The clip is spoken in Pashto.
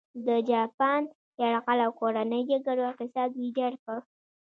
د جاپان یرغل او کورنۍ جګړو اقتصاد ویجاړ کړ.